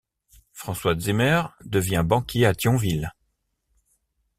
François Zimmer devient banquier à Thionville.